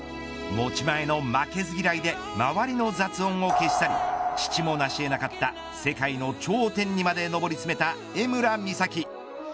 持ち前の負けず嫌いで周りの雑音を消し去り父もなし得なかった世界の頂点にまで上り詰めた江村美咲。